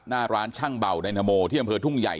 หน้าร้านช่างเบาไดนาโมที่อำเภอทุ่งใหญ่